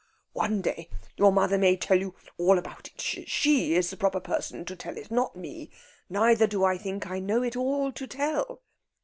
"One day your mother may tell you all about it. She is the proper person to tell it not me. Neither do I think I know it all to tell."